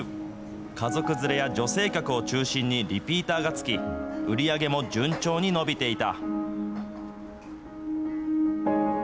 家族連れや女性客を中心にリピーターが付き、売り上げも順調に伸びていた。